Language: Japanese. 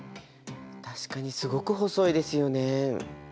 確かにすごく細いですよね。